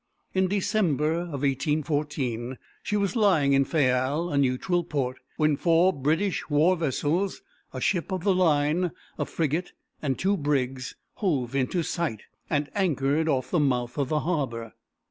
In December, 1814, she was lying in Fayal, a neutral port, when four British war vessels, a ship of the line, a frigate and two brigs, hove into sight, and anchored off the mouth of the harbor.